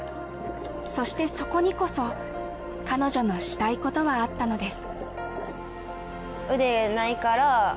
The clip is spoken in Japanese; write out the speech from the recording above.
そしてそこにこそ彼女のしたいことはあったのです